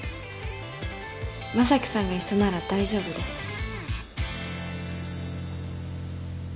将貴さんが一緒なら大丈夫です。